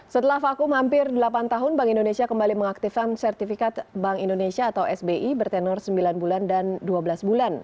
setelah vakum hampir delapan tahun bank indonesia kembali mengaktifkan sertifikat bank indonesia atau sbi bertenor sembilan bulan dan dua belas bulan